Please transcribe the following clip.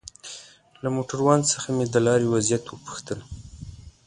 له موټروان څخه مې د لارې وضعيت وپوښتل.